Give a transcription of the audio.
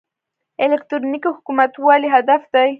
الکترونیکي حکومتولي هدف دی